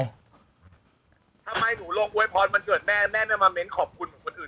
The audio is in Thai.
ทำไมหนูโรคบ้วยพอดมันเกิดแม่แม่น่ามาเม้นต์ขอบคุณหนูอื่น